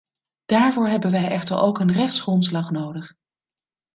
Daarvoor hebben wij echter ook een rechtsgrondslag nodig.